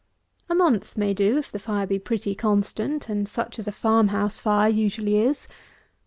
A month may do, if the fire be pretty constant, and such as a farm house fire usually is.